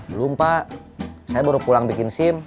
belum pak saya baru pulang bikin sim